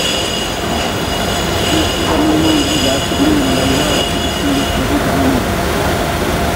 Ce sous-amendement vise à affirmer dans la loi la protection des prairies permanentes.